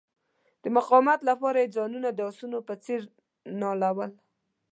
د مقاومت لپاره یې ځانونه د آسونو په څیر نالول.